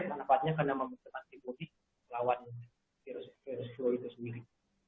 manfaatnya karena menekan antimodi lawan virus flu itu sendiri